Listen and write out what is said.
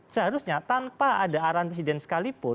seharusnya tanpa ada arahan presiden sekalipun